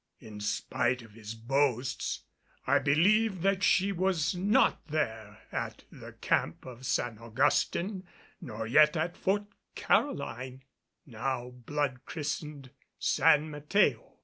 In spite of his boasts, I believed that she was not there at the Camp of San Augustin, nor yet at Fort Caroline, now blood christened San Mateo.